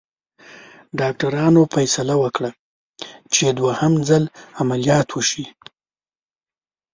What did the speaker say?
ډاکټرانو فیصله وکړه چې دوهم ځل عملیات وشي.